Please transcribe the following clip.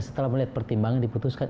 setelah melihat pertimbangan diputuskan